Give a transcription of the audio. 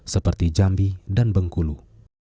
seperti jambi dan bengkulu